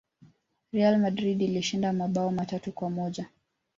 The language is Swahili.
real madrid ilishinda mabao matatu kwa moja